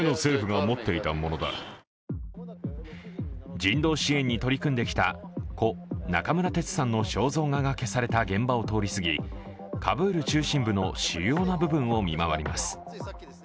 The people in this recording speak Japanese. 人道支援に取り組んできた故中村哲産の肖像がが消された現場を通り過ぎ、カブール中心部の主要な部分を見回ります。